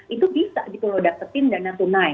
itu bisa ditulodak setiap dana tunai